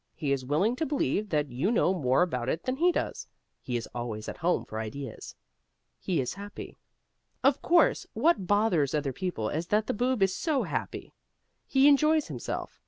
He is willing to believe that you know more about it than he does. He is always at home for ideas. HE IS HAPPY Of course, what bothers other people is that the Boob is so happy. He enjoys himself.